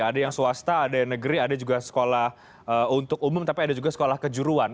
ada yang swasta ada yang negeri ada juga sekolah untuk umum tapi ada juga sekolah kejuruan